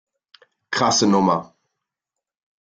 Krasse Nummer.